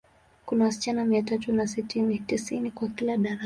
Kuna wasichana mia tatu na sitini, tisini kwa kila darasa.